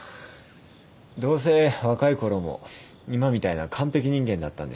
どうせ若いころも今みたいな完璧人間だったんでしょ？